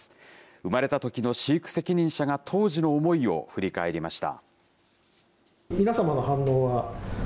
生まれたときの飼育責任者が、当時の思いを振り返りました。